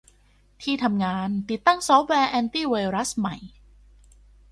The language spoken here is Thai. ที่ทำงานติดตั้งซอฟต์แวร์แอนตี้ไวรัสใหม่